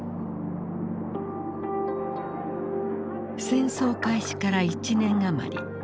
戦争開始から１年余り。